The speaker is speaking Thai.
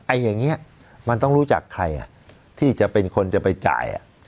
อย่างนี้มันต้องรู้จักใครอ่ะที่จะเป็นคนจะไปจ่าย